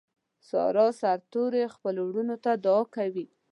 ساره سر سرتوروي خپلو ورڼو ته دعاکوي.